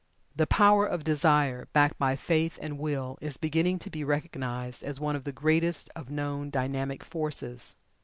The power of Desire, backed by Faith and Will, is beginning to be recognized as one of the greatest of known dynamic forces.